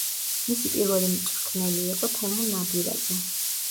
მისი პირველი მწვრთნელი იყო თემურ ნადირაძე.